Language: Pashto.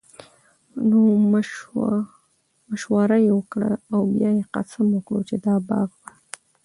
نو مشوره ئي وکړه، او بيا ئي قسم وکړو چې دا باغ به